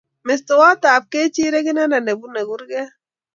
Mestowot ab kechirek inendet ne bunei kurget.